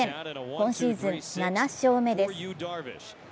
今シーズン７勝目です。